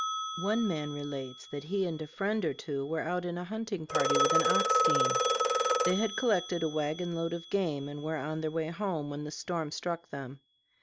One man relates that he and a friend or two were out in a hunting party with an ox team. They had collected a wagon load of game and were on their way home when the storm struck them.